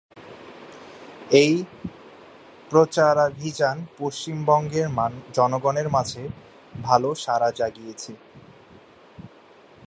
এই প্রচারাভিযান পশ্চিমবঙ্গের জনগণের মাঝে ভালো সাড়া জাগিয়েছে।